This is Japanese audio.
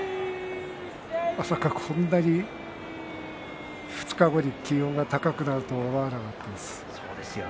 まさかこんなに２日後に気温が高くなるとは思わなかったです。